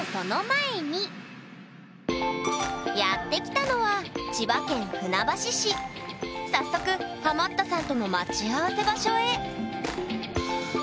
やって来たのは早速ハマったさんとの待ち合わせ場所へええ！